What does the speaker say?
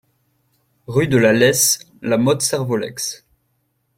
Rue de la Leysse, La Motte-Servolex